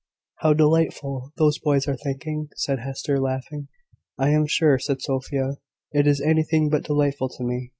"`How delightful!' those boys are thinking," said Hester, laughing. "I am sure," said Sophia, "it is anything but delightful to me.